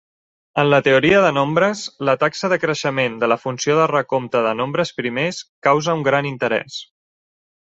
En la teoria de nombres, la taxa de creixement de la funció de recompte de nombres primers causa un gran interès.